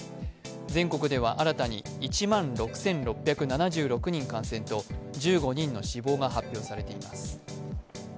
全国では新たに１万６６７６人感染と１５人の死亡が発表されています。